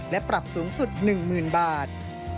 และปรับสูงสุด๑๐๐๐บาท